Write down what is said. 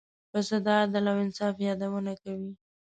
پسه د عدل او انصاف یادونه کوي.